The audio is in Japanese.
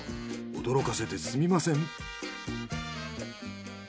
驚かせてすみません。